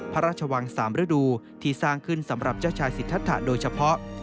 พระราชวัง๓ฤดูที่สร้างขึ้นสำหรับเจ้าชายสิทธะโดยเฉพาะ